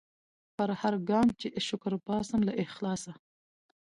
پر هرګام چي شکر باسم له اخلاصه